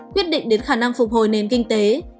quyết định đến khả năng phục hồi nền kinh tế